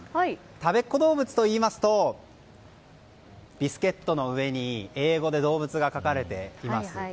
たべっ子どうぶつといいますとビスケットの上に英語でどうぶつが描かれています。